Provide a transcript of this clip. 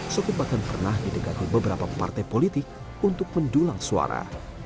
sokip bahkan pernah didekati beberapa partai politik untuk mendulang suara